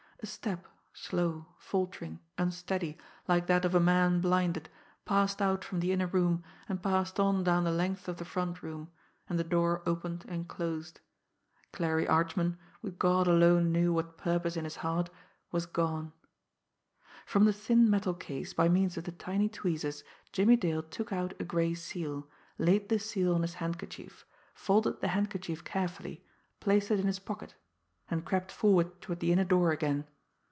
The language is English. A step, slow, faltering, unsteady, like that of a man blinded, passed out from the inner room, and passed on down the length of the front room and the door opened and closed. Clarie Archman, with God alone knew what purpose in his heart, was gone. From the thin metal case, by means of the tiny tweezers, Jimmie Dale took out a gray seal, laid the seal on his handkerchief, folded the handkerchief carefully, placed it in his pocket and crept forward toward the inner door again.